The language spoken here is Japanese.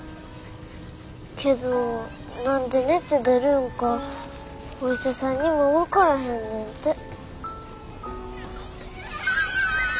けど何で熱出るんかお医者さんにも分からへんねんて。